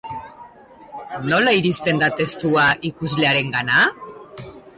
Nola iristen da testua ikuslearengana?